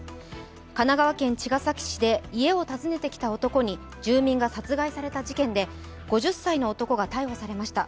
神奈川県茅ヶ崎市で家を訪ねてきた男に住民が殺害された事件で５０歳の男が逮捕されました。